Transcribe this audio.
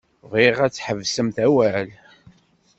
Bɣiɣ ad tḥebsemt awal.